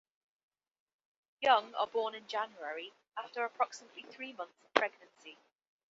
Young are born in January after approximately three months of pregnancy.